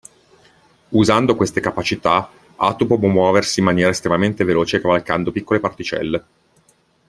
Usando queste capacità Atomo può muoversi in maniera estremamente veloce cavalcando piccole particelle.